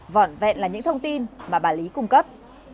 vỏn vẹn là những thông tin mà bà lý cung cấp